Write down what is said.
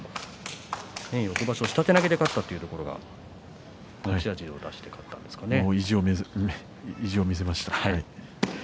翌場所、下手投げで勝ったというところが意地を見せました。